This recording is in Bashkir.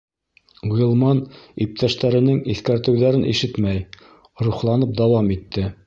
Ғилман иптәштәренең иҫкәртеүҙәрен ишетмәй, рухланып дауам итте: